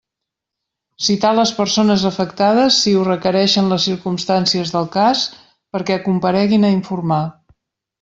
Citar les persones afectades, si ho requereixen les circumstàncies del cas, perquè compareguin a informar.